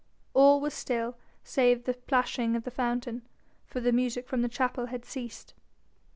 All was still save the plashing of the fountain, for the music from the chapel had ceased.